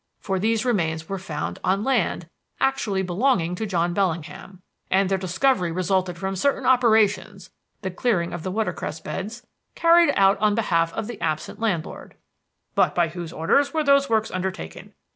For these remains were found on land actually belonging to John Bellingham, and their discovery resulted from certain operations (the clearing of the watercress beds) carried out on behalf of the absent landlord. But by whose orders were those works undertaken?